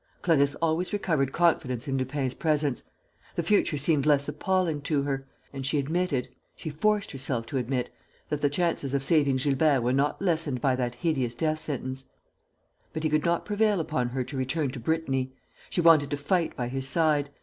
Clarisse always recovered confidence in Lupin's presence. The future seemed less appalling to her; and she admitted, she forced herself to admit, that the chances of saving Gilbert were not lessened by that hideous death sentence. But he could not prevail upon her to return to Brittany. She wanted to fight by his side.